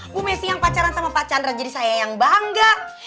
bu messi yang pacaran sama pak chandra jadi saya yang bangga